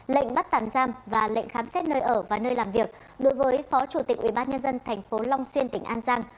lệnh bắt tàn giam và lệnh khám xét nơi ở và nơi làm việc đối với phó chủ tịch ubnd tp long xuyên tỉnh an giang